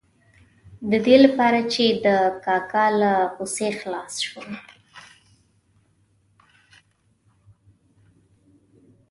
د دې لپاره چې د کاکا له غوسې خلاص شم.